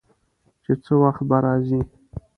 چې څه وخت به راځي.